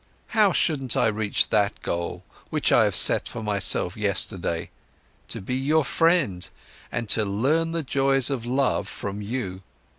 How shouldn't I reach that goal, which I have set for myself yesterday: to be your friend and to learn the joys of love from you!